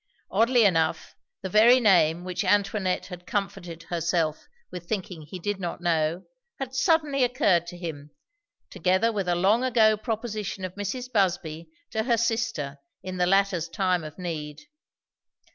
Oddly enough, the very name which Antoinette had comforted herself with thinking he did not know, had suddenly occurred to him, together with a long ago proposition of Mrs. Busby to her sister in the latter's time of need.